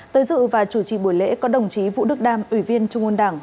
tới dự và chủ trì buổi lễ có đồng chí vũ đức đam ủy viên trung ương đảng